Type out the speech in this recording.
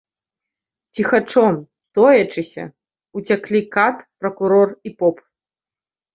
Ціхачом, тоячыся, уцяклі кат, пракурор і поп.